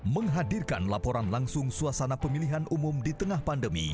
menghadirkan laporan langsung suasana pemilihan umum di tengah pandemi